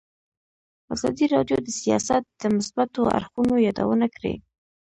ازادي راډیو د سیاست د مثبتو اړخونو یادونه کړې.